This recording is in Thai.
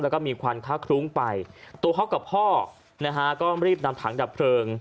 แล้วก็มีควันค่าคลุ้งไปตัวเขากับพ่อนะฮะก็รีบนำถังดับเพลิง